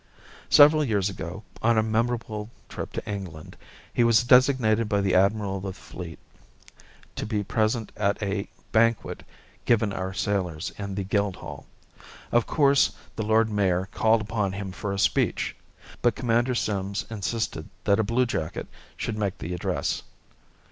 Several years ago, on a memorable trip to England, he was designated by the admiral of the fleet to be present at a banquet given our sailors in the Guildhall. Of course the lord mayor called upon him for a speech, but Commander Sims insisted that a bluejacket should make the address.